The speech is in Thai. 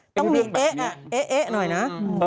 ต้องมีเอ๊ะเอ๊ะหน่อยนะ